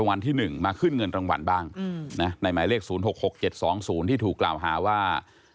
ในหมายเลข๐๖๖๗๒๐ที่ถูกกล่าวหาว่า